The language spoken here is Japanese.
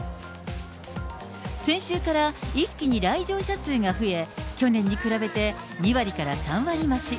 先週から一気に来場者数が増え、去年に比べて２割から３割増し。